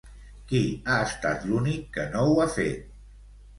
Qui ha estat l'únic que no ho ha fet?